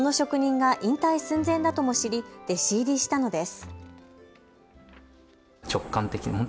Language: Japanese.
その職人が引退寸前だとも知り弟子入りしたのです。